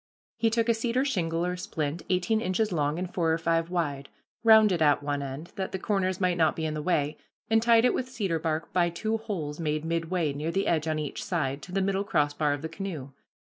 He took a cedar shingle or splint eighteen inches long and four or five wide, rounded at one end, that the corners might not be in the way, and tied it with cedar bark by two holes made midway, near the edge on each side, to the middle crossbar of the canoe.